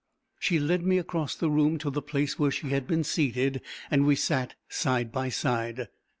She led me across the room to the place where she had been seated, and we sat side by side.